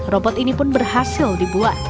robot ini pun berhasil dibuat